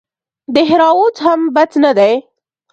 دهراوت هم بد نه دئ.